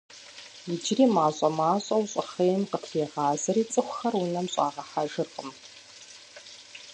Иджыри мащӏэ-мащӏэу щӏыхъейм къытрегъазэри, цӀыхухэр унэм щӀагъэхьэжыркъым.